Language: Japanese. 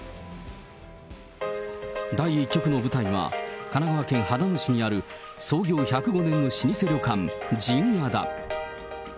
第１局の舞台は神奈川県秦野市にある、創業１０５年の老舗旅館、陣屋だ。